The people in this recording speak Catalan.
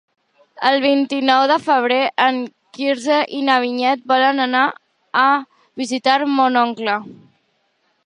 El vint-i-nou de febrer en Quirze i na Vinyet volen anar a visitar mon oncle.